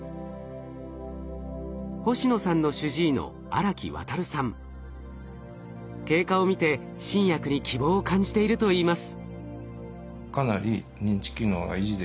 星野さんの主治医の荒木亘さん経過を見て新薬に希望を感じているといいます。